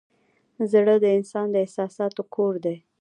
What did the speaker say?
زړه د انسان د احساساتو کور دی.